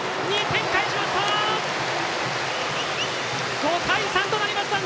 ２点返しました！